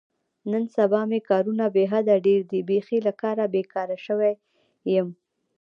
نن سبا مې کارونه بې حده ډېر دي، بیخي له کاره بېگاره شوی یم.